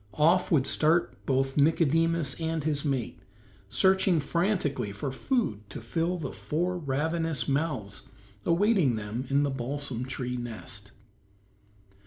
Off would start both Nicodemus and his mate, searching frantically for food to fill the four ravenous mouths awaiting them back in the balsam tree nest.